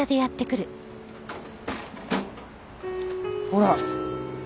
ほら！